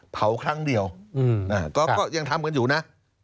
เผาครั้งเดียวก็ยังทำกันอยู่นะ